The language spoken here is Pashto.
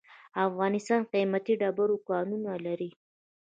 افغانستان قیمتي ډبرو کانونه لري.